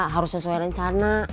harus sesuai rencana